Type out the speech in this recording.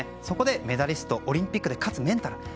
そこでメダリストオリンピックで勝つメンタル。